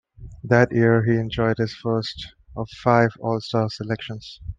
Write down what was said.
That year he enjoyed his first of five All-Star selections.